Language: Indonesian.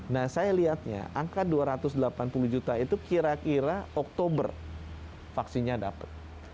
nah saya lihatnya angka dua ratus delapan puluh juta itu kira kira oktober vaksinnya dapat